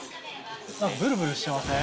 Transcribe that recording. ブルブルしてません？